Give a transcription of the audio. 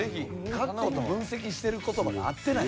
格好と分析してる言葉が合ってない。